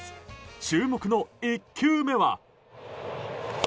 注目の１球目は。